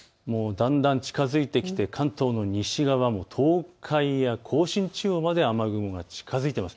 だんだん近づいてきて関東の西側、東海や甲信地方まで雨雲が近づいています。